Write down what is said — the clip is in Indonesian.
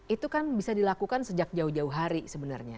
itu kan bisa dilakukan sejak jauh jauh hari sebenarnya